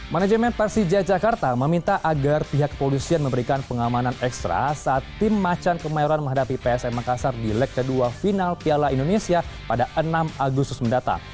manajemen persija jakarta meminta agar pihak kepolisian memberikan pengamanan ekstra saat tim macan kemayoran menghadapi psm makassar di leg kedua final piala indonesia pada enam agustus mendatang